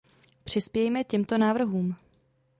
Přispějme těmto návrhům.